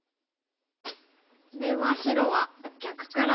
では白は逆から。